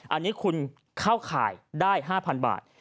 อันนี้คุณเข้าข่ายได้๕๐๐๐บาท